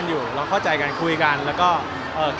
หมายถึงว่าความดังของผมแล้วทำให้เพื่อนมีผลกระทบอย่างนี้หรอค่ะ